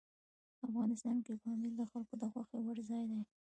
افغانستان کې پامیر د خلکو د خوښې وړ ځای دی.